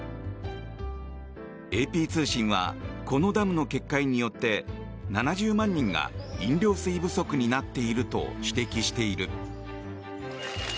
ＡＰ通信はこのダムの決壊によって７０万人が飲料水不足になっていると指摘している。